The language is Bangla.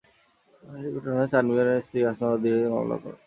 এ ঘটনায় চান মিয়ার স্ত্রী আসমা আক্তার বাদী হয়ে মামলা করেন।